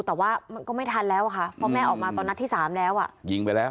แต่ว่ามันก็ไม่ทันแล้วค่ะเพราะแม่ออกมาตอนนัดที่๓แล้วอะ